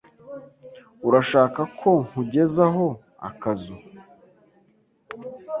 Urashaka ko nkugezaho akazu?